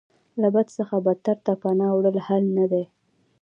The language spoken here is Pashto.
له بد څخه بدتر ته پناه وړل حل نه دی.